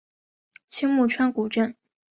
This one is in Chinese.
青木川古镇